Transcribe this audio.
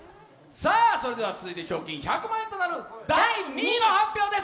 それでは続いて賞金１００万円となる第２位の発表です。